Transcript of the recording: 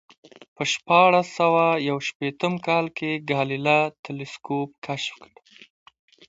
په شپاړس سوه یو شپېتم کال کې ګالیله تلسکوپ کشف کړ